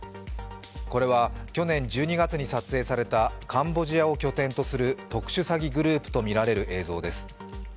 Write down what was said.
これは去年１２月に撮影されたカンボジアを拠点とする特殊詐欺グループとみられる映像です。